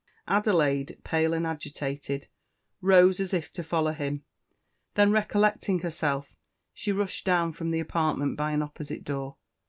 Adelaide pale and agitated, rose as if to follow him; then, recollecting herself, she rushed from the apartment by an opposite door.